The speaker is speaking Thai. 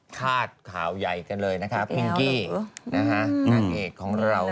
คาดข่าวใหญ่กันเลยนะครับพิงกี้นะฮะนางเอกของเรา